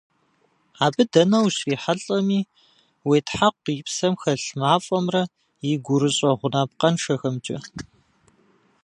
Абы дэнэ ущрихьэлӀэми, уетхьэкъу и псэм хэлъ мафӀэмрэ и гурыщӀэ гъунапкъэншэхэмкӀэ.